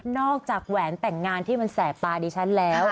นอกจากแหวนแต่งงานที่มันแสบปลาดิฉันแล้ว